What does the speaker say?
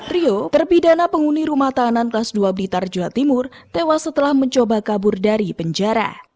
rio terpidana penghuni rumah tahanan kelas dua blitar jawa timur tewas setelah mencoba kabur dari penjara